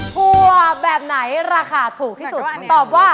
ถั่วแบบไหนราคาถูกที่สุดตอบว่า